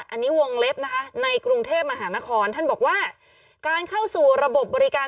อันนี้วงเล็บนะคะในกรุงเทพมหานครท่านบอกว่าการเข้าสู่ระบบบริการ